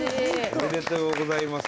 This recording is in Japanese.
おめでとうございます！